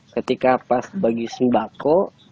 ketika pas bagi sembako